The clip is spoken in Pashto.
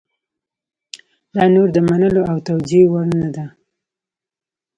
دا نور د منلو او توجیه وړ نه ده.